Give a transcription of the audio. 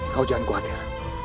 kau jangan khawatir